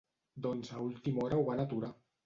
Doncs a última hora ho van aturar.